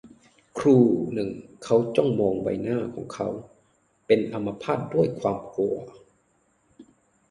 ครู่หนึ่งเขาจ้องมองใบหน้าของเขา - เป็นอัมพาตด้วยความกลัว